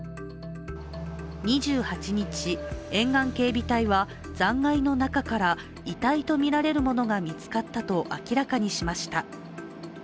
２８日、沿岸警備隊は残骸の中から遺体とみられるものが見つかったと明らかにしました。